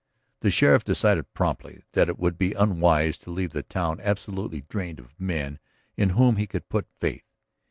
The sheriff decided promptly that it would be unwise to leave the town absolutely drained of men in whom he could put faith.